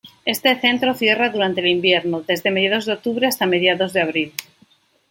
Este centro cierra durante el invierno, desde mediados de octubre hasta mediados de abril.